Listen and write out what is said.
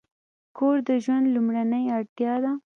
کور د ژوند لومړنۍ اړتیا ده.